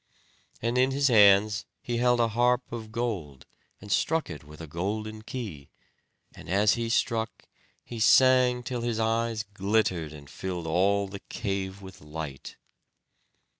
And in his hands he held a harp of gold, and struck it with a golden key; and as he struck, he sang till his eyes glittered, and filled all the cave with light.